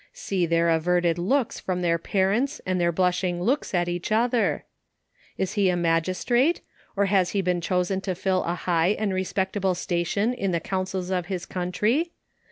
See their averted looks from their parent, and their blushing looks at each other ! Is he a magistrate ? Or has he been chosen to fill a high and respectable station in the councils of his country